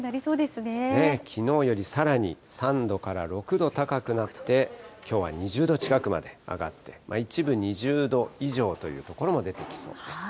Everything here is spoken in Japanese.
きのうよりさらに３度から６度高くなって、きょうは２０度近くまで上がって、一部２０度以上という所も出てきそうです。